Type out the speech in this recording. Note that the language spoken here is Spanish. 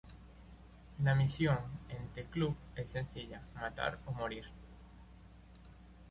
La misión en The Club es sencilla, matar o morir.